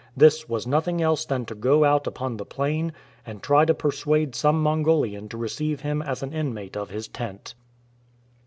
This was nothing else than to go out upon the plain and try to persuade some Mongolian to receive him as an inmate of his tent.